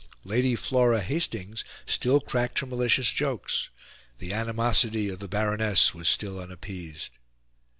Lady Flora Hastings still cracked her malicious jokes; the animosity of the Baroness was still unappeased.